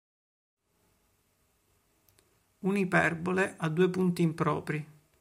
Una iperbole ha due punti impropri.